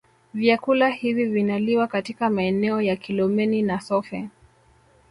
Vyakula hivi vinaliwa katika maeneo ya Kilomeni na Sofe